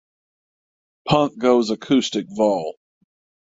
Punk Goes Acoustic Vol.